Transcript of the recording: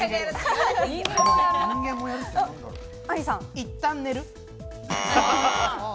いったん寝る。